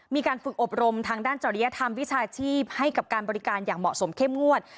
มีการฝึกอบรมทางด้านจริยธรรมวิชาชีพให้กับการบริการอย่างเหมาะสมเข้มงวด